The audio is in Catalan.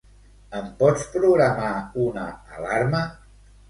Em pots programar una alarma?